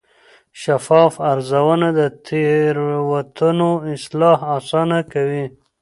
شفاف ارزونه د تېروتنو اصلاح اسانه کوي.